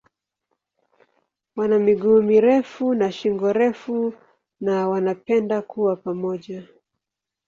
Wana miguu mirefu na shingo refu na wanapenda kuwa pamoja.